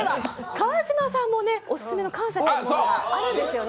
川島さんもオススメの感謝したいものがあるんですよね。